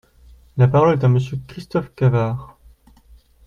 La parole est à Monsieur Christophe Cavard.